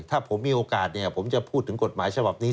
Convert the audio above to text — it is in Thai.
ถ้าผมมีโอกาสเนี่ยผมจะพูดถึงกฎหมายฉบับนี้